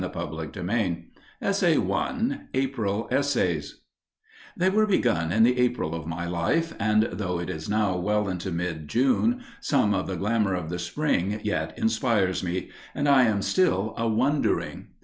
*THE ROMANCE OF THE COMMONPLACE* *April Essays* They were begun in the April of my life, and though it is now well into mid June, some of the glamour of the Spring yet inspires me, and I am still a wondering.